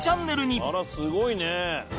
「あらすごいね！」